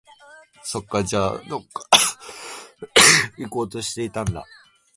そっか、じゃあ、どこか行こうとしていたんだ